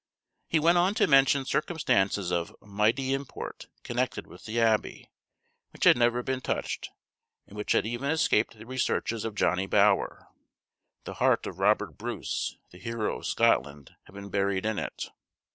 He went on to mention circumstances of "mighty import" connected with the Abbey, which had never been touched, and which had even escaped the researches of Johnny Bower. The heart of Robert Bruce, the hero of Scotland, had been buried in it.